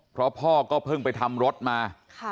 เพราะพ่อก็เพิ่งไปทำรถมา